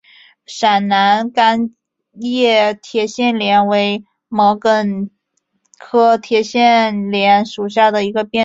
陕南单叶铁线莲为毛茛科铁线莲属下的一个变种。